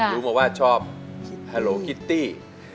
รู้มาว่าชอบฮาโลคิตตี้